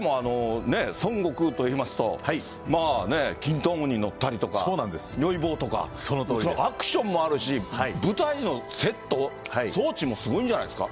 でもね、孫悟空といいますと、まあね、きんとうんに乗ったりとか、如意棒とか。アクションもあるし、舞台のセット、装置もすごいんじゃないですか。